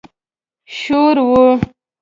شور و.